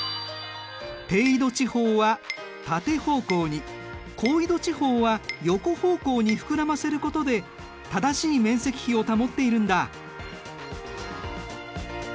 低緯度地方は縦方向に高緯度地方は横方向に膨らませることで正しい面積比を保っているんだ。